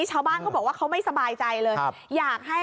ชาวบ้านเขาบอกว่าเขาไม่สบายใจเลยอยากให้